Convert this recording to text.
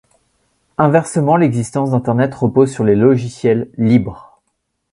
Inversement l’existence d'internet repose sur les logiciels libres.